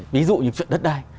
ví dụ như chuyện đất đai